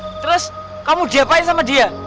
hai terus kamu diapain sama dia